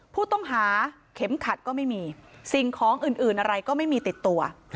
ผู้ต้องหาเข็มขัดก็ไม่มีสิ่งของอื่นอะไรก็ไม่มีติดตัว